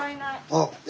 あっえ